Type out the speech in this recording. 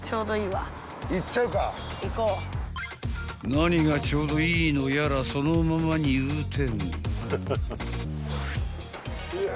［何がちょうどいいのやらそのまま入店］